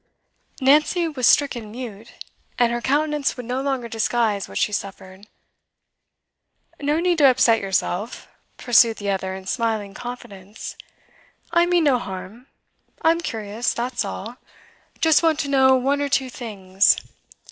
Nancy was stricken mute, and her countenance would no longer disguise what she suffered. 'No need to upset yourself,' pursued the other in smiling confidence. 'I mean no harm. I'm curious, that's all; just want to know one or two things.